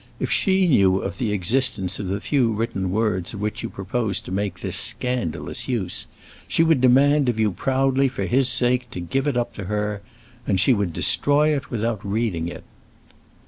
If she knew of the existence of the few written words of which you propose to make this scandalous use, she would demand of you proudly for his sake to give it up to her, and she would destroy it without reading it."